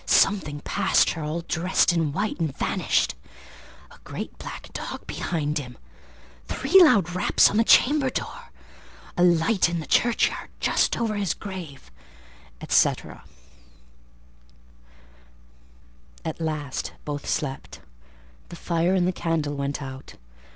"Something passed her, all dressed in white, and vanished"—"A great black dog behind him"—"Three loud raps on the chamber door"—"A light in the churchyard just over his grave," &c., &c. At last both slept: the fire and the candle went out.